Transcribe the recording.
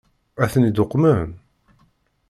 Ad ten-id-uqmen?